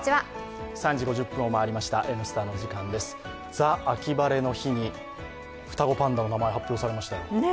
ザ・秋晴れの日に双子パンダの名前が発表されましたね。